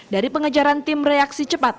dari pengejaran tim reaksi cepat